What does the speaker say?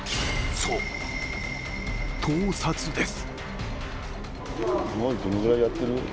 そう、盗撮です。